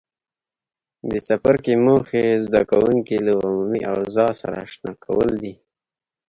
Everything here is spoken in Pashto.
د څپرکي موخې زده کوونکي له عمومي اوضاع سره آشنا کول دي.